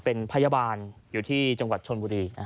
เป็นพยาบาลอยู่ที่จังหวัดชนบุรี